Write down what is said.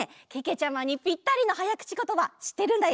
ちゃまにぴったりのはやくちことばしってるんだよ。